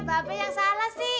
babe yang salah sih